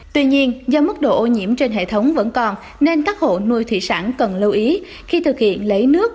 tuy nhiên do mức độ ô nhiễm trên hệ thống vẫn còn nên các hộ nuôi thủy sản cần lưu ý khi thực hiện lấy nước